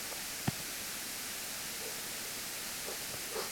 মোদি ক্ষমতায় আসার মাস দুয়েকের মধ্যেই দুর্নীতি-সংক্রান্ত একটা কাহিনি খুব চালু হয়েছিল।